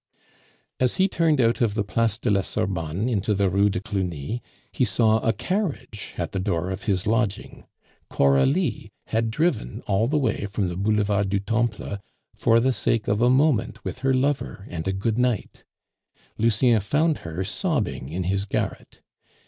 As he turned out of the Place de la Sorbonne into the Rue de Cluny, he saw a carriage at the door of his lodging. Coralie had driven all the way from the Boulevard du Temple for the sake of a moment with her lover and a "good night." Lucien found her sobbing in his garret.